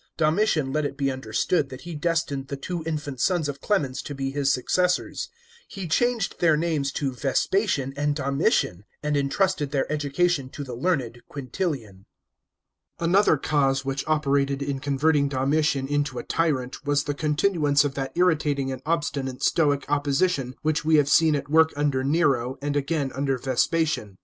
Domitian let it be understood, that he destined the two infant sons of Clemens to be his successors. He changed their names to Vespasian and Domitian, and entrusted their education to the learned Quintilian. § 19. Another cause which operated in converting Domitian into a tyrant was the continuance of that irritating and obstinate Stoic opposition which we have seen at work under Nero, and again under Vespasian.